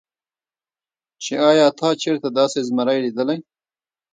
چې ايا تا چرته داسې زمرے ليدلے